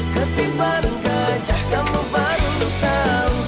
ketibaan gajah kamu baru tahu